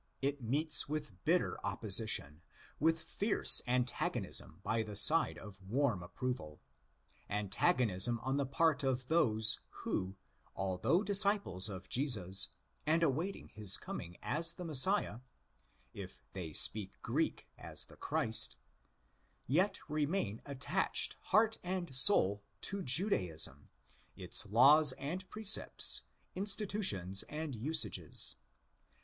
It meets with bitter opposition, with fierce antagonism by the side of warm approval—antagonism on the part of those who, although disciples of Jesus, and awaiting his coming as the Messiah (if they speak Greek, as the Christ) yet remain attached heart and soul to Judaism, its laws and precepts, institutions and usages.